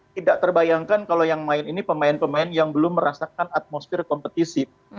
tidak terbayangkan kalau yang main ini pemain pemain yang belum merasakan atmosfer kompetisi